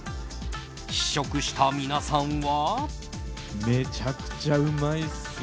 試食した皆さんは？